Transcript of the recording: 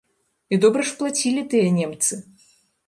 І добра ж плацілі тыя немцы!